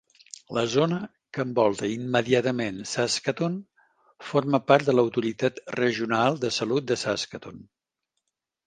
La zona que envolta immediatament Saskatoon forma part de l'Autoritat Regional de Salut de Saskatoon.